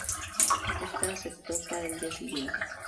Éste aceptó para el día siguiente.